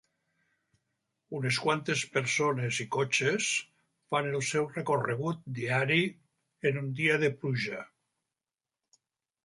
Unes quantes persones i cotxes fan el seu recorregut diari en un dia de pluja.